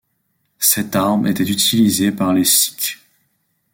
Cette arme était utilisée par les sikhs.